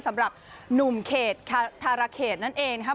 สำหรับหนุ่มเขตธาราเขตนั่นเองนะครับ